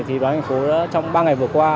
thì đoàn ngành phố trong ba ngày vừa qua